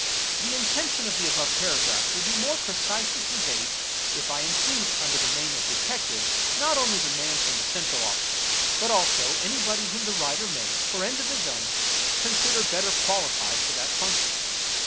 — The inten tion of the above paragraph will be more precisely conveyed if I include under the name of detective not only the man from the central office, but also anybody whom the writer may, for ends of his own, consider better qualified for that function.